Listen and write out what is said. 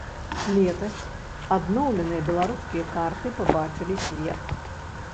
Летась адноўленыя беларускія карты пабачылі свет.